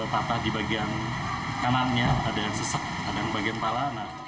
patah di bagian kanannya ada yang sesek ada yang bagian pala